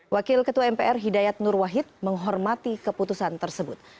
wakil ketua mpr hidayat nurwahid menghormati keputusan tersebut